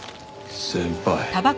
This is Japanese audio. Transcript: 先輩。